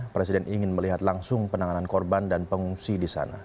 presiden ingin melihat langsung penanganan korban dan pengungsi di sana